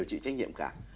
phải chịu trách nhiệm cả